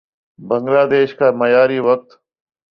بنگلہ دیش کا معیاری وقت